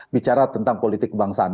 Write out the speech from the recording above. bicara tentang politik kebangsaan